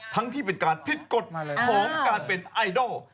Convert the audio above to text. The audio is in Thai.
ทั้งที่เป็นการพิดกฎของการเป็นไอโดร์